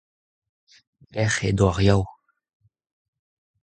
dec'h edo ar Yaou.